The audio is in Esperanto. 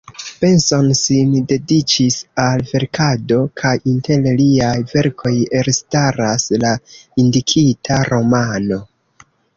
Benson sin dediĉis al verkado; kaj inter liaj verkoj elstaras la indikita romano.